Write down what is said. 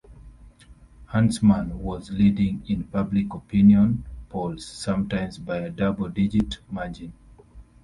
Huntsman was leading in public opinion polls, sometimes by a double-digit margin.